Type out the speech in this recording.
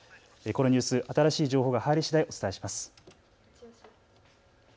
このニュース、新しい情報が入りしだいお伝えします。